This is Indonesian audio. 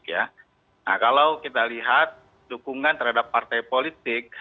nah kalau kita lihat dukungan terhadap partai politik